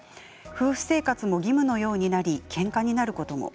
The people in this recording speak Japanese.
夫婦生活も義務のようになりけんかになることも。